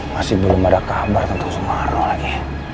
masih belum ada kabar tentang sumaro lagi